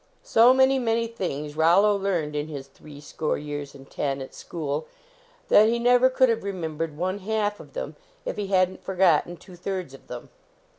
So many, many things Rollo learned in his three score years and ten at school that he never could have remembered one half of them if he hadn t forgotten two thirds of them.